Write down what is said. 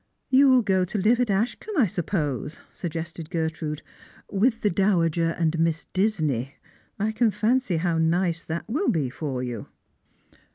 " You will go to live at Ashcombe, I suppose," suggested Ger trude, " with the dowager and Miss Disney ? I can fancy how nice that will be for you."